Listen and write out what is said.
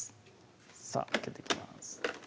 さぁ開けていきます